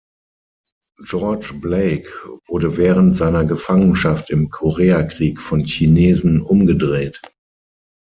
George Blake wurde während seiner Gefangenschaft im Koreakrieg von Chinesen „umgedreht“.